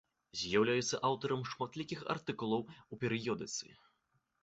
З'яўляецца аўтарам шматлікіх артыкулаў у перыёдыцы.